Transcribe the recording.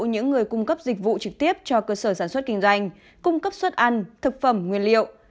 những người cung cấp dịch vụ trực tiếp cho cơ sở sản xuất kinh doanh cung cấp suất ăn thực phẩm nguyên liệu